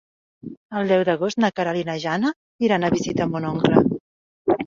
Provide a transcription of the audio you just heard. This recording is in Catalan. El deu d'agost na Queralt i na Jana iran a visitar mon oncle.